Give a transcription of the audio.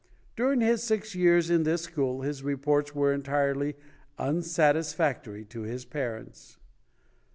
During his six years in this school, his reports were entirely unsatisfactory to his parents.